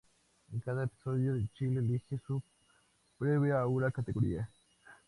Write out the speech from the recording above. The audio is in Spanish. En cada episodio de "Chile Elige" se premia a una categoría.